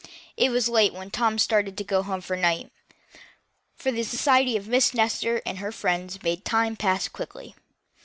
It was late when Tom started for home that night, for the society of Miss Nestor and her friends made the time pass quickly.